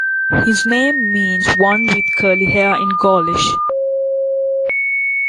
His name means "one with curly hair" in Gaulish.